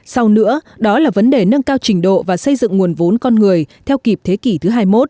sau nữa đó là vấn đề nâng cao trình độ và xây dựng nguồn vốn con người theo kịp thế kỷ thứ hai mươi một